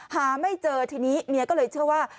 หาไม่เจอทีนี้เมียก็เลยเชื่อว่า